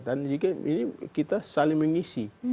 dan juga ini kita saling mengisi